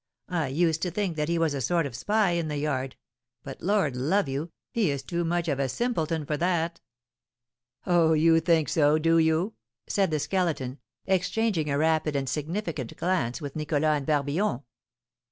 I used to think that he was a sort of spy in the yard; but, Lord love you, he is too much of a simpleton for that!" "Oh, you think so, do you?" said the Skeleton, exchanging a rapid and significant glance with Nicholas and Barbillon.